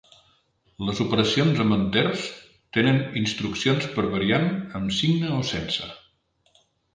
Les operacions amb enters tenen instruccions per variant amb signe o sense.